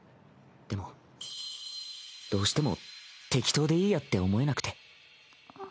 でもどうしても適当でいいやって思えなくて。